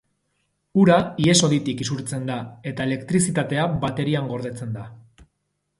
Ura ihes-hoditik isurtzen da eta elektrizitatea baterian gordetzen da.